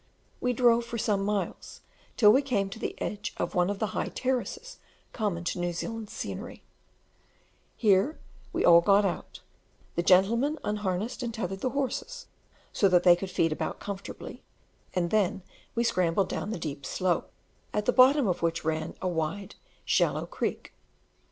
We drove for some miles till we came to the edge of one of the high terraces common to New Zealand scenery: here we all got out; the gentlemen unharnessed and tethered the horses, so that they could feed about comfortably, and then we scrambled down the deep slope, at the bottom of which ran a wide shallow creek.